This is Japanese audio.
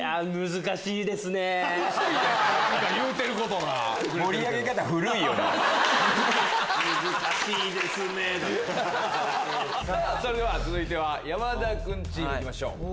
「難しいですね」だって。続いては山田君チーム行きましょう。